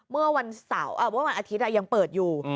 เมื่อวันอาทิตย์อะยังเปิดอยู่